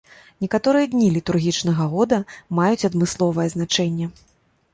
Некаторыя дні літургічнага года маюць адмысловае значэнне.